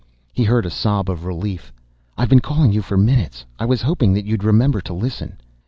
He heard a sob of relief. "I've been calling you for minutes! I was hoping that you'd remember to listen!